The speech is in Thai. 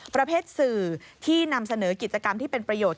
ประเภทสื่อที่นำเสนอกิจกรรมที่เป็นประโยชน